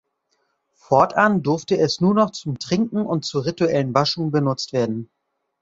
Fortan durfte es nur noch zum Trinken und zur rituellen Waschung benutzt werden.